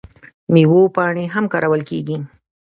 د میوو پاڼې هم کارول کیږي.